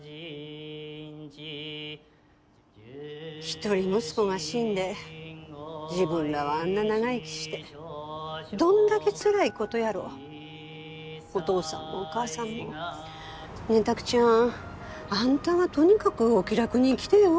一人息子が死んで自分らはあんな長生きしてどんだけつらいことやろお義父さんもお義母さんも。ねえ拓ちゃんあんたはとにかくお気楽に生きてよ？